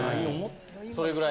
それぐらい？